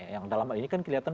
yang dalam hal ini kan kelihatan